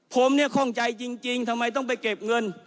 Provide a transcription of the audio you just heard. ผมเนี่ยข้องใจจริงทำไมต้องไปเก็บเงิน